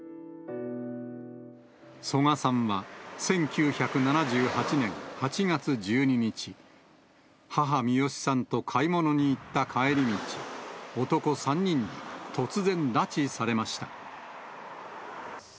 曽我さんは１９７８年８月１２日、母、ミヨシさんと買い物に行った帰り道、男３人に突然、拉致されました。